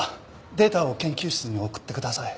データを研究室に送ってください。